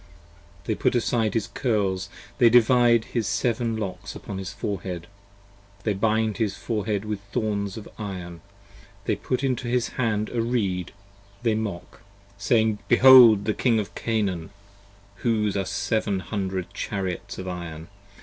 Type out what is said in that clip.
They put aside his curls: they divide his seven locks upon His forehead: they bind his forehead with thorns of iron, They put into his hand a reed, they mock, Saying: Behold 25 The King of Canaan, whose are seven hundred chariots of iron